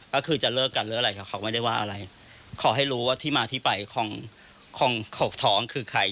ก็คือจะเลิกกันหรืออะไรกับเขาไม่ได้ว่าอะไรขอให้รู้ว่าที่มาที่ไปของของท้องคือใคร